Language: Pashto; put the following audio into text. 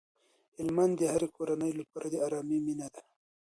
هلمند د هرې کورنۍ لپاره د ارامۍ مينه ده.